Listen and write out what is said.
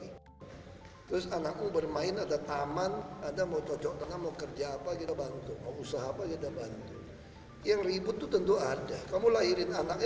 itu tentu ada kamu lahirin anaknya mungkin gak semua bagus